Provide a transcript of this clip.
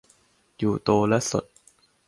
อยู่โตและสด